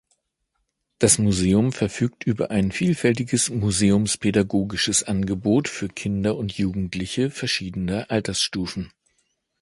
Das Museum verfügt über ein vielfältiges museumspädagogisches Angebot für Kinder und Jugendliche verschiedener Altersstufen.